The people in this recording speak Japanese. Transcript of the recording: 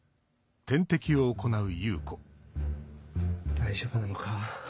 大丈夫なのか？